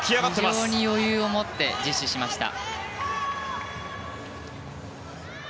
非常に余裕を持って実施しました。